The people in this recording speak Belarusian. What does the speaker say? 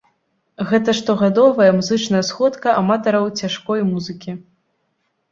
Гэта штогадовая музычная сходка аматараў цяжкой музыкі.